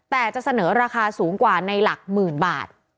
แต่จะเสนอราคาสูงกว่าในหลักหมื่นบาท